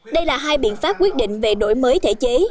đây là hai biện pháp quyết định về đổi mới thể chế